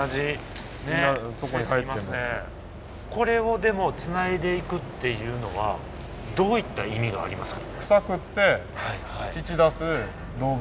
これをでもつないでいくっていうのはどういった意味がありますか？